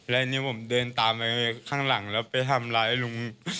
และอันนี้ผมเดินตามไปข้างหลังแล้วไปทำร้ายลุง